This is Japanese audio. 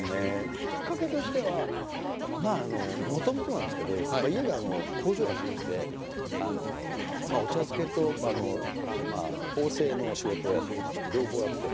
きっかけとしてはまあもともとなんですけど家が工場やってましてお茶漬けと縫製の仕事をやってまして両方やってて。